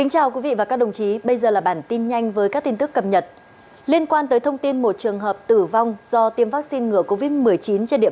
hãy đăng ký kênh để ủng hộ kênh của chúng mình nhé